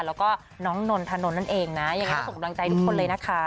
แล้วก็น้องนนทนนั่นเองนะอย่างงี้ต้องส่งกำลังใจทุกคนเลยนะคะ